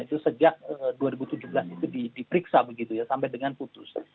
itu sejak dua ribu tujuh belas itu diperiksa begitu ya sampai dengan putus